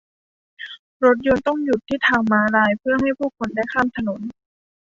รถยนต์ต้องหยุดที่ทางม้าลายเพื่อให้ผู้คนได้ข้ามถนน